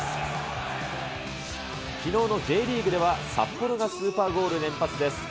きのうのＪリーグでは、札幌がスーパーゴール連発です。